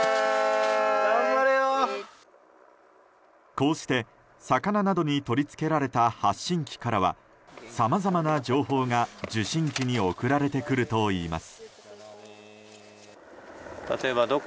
こうして魚などに取り付けられた発信器からはさまざまな情報が受信機に送られてくるといいます。